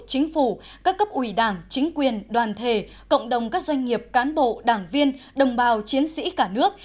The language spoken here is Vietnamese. chính phủ các cấp ủy đảng chính quyền đoàn thể cộng đồng các doanh nghiệp cán bộ đảng viên đồng bào chiến sĩ cả nước